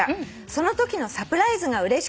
そのときのサプライズがうれしくて」